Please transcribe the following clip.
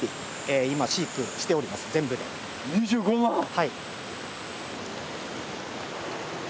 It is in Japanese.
はい。